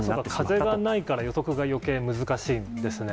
風がないから予測がよけい難しいですね。